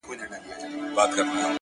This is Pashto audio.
وينه د وجود مي ده ژوندی يم پرې-